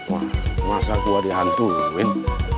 wah masa gua dihantuin